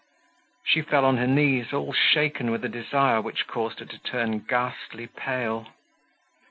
She fell on her knees, all shaken with a desire which caused her to turn ghastly pale.